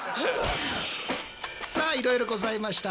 さあいろいろございました。